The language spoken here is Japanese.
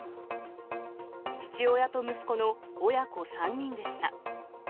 父親と息子の親子３人でした。